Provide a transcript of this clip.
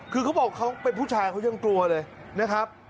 คือเขาบอกเขาเป็นผู้ชายเขายังกลัวเลยนะครับ